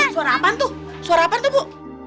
suara apaan tuh suara apa tuh bu